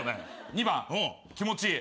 ２番「気持ちいい」